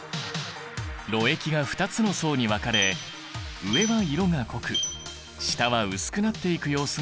ろ液が２つの層に分かれ上は色が濃く下は薄くなっていく様子が観察できる。